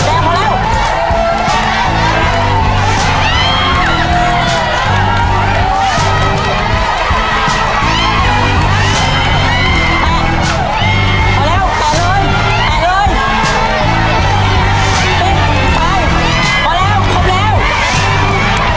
แดงพอแล้วแดงพอแล้ว